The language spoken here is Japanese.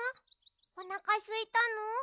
おなかすいたの？